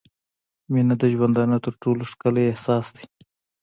• مینه د ژوندانه تر ټولو ښکلی احساس دی.